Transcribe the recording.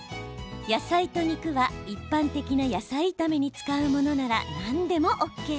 野菜と肉は一般的な野菜炒めに使うものなら何でもＯＫ。